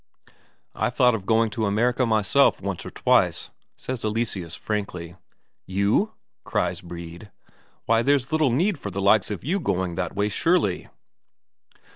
"I've thought of going to America myself once or twice," says Eleseus frankly. "You?" cries Brede. "Why, there's little need for the likes of you going that way surely!"